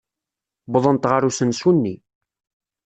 Wwḍent ɣer usensu-nni.